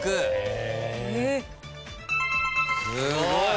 すごい。